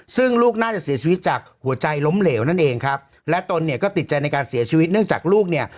ซึ่งลูกน่าจะเสียชีวิตจากหัวใจล้มเหลวนั่นเองครับและตนเนี่ยก็ติดใจในการเสียชีวิตเนื่องจากลูกเนี่ย